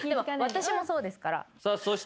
私もそうですから。